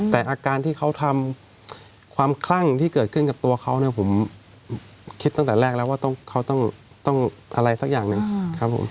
แต่อาการที่เขาทำความคลั่งที่เกิดขึ้นกับตัวเขาเนี่ยผมคิดตั้งแต่แรกแล้วว่าเขาต้องอะไรสักอย่างหนึ่งครับผม